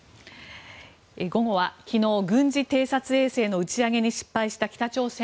午後は昨日軍事偵察衛星の打ち上げに失敗した北朝鮮。